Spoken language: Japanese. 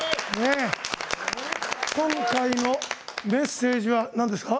今回のメッセージはなんですか？